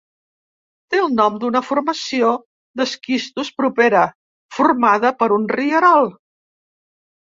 Té el nom d'una formació d'esquistos propera formada per un rierol.